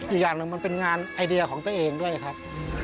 อีกอย่างหนึ่งมันเป็นงานไอเดียของตัวเองด้วยครับ